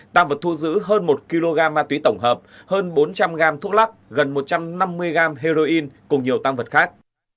tăng vật thu giữ hơn một kg ma túy tổng hợp hơn bốn trăm linh gram thuốc lắc gần một trăm năm mươi gram heroin cùng nhiều tăng vật khác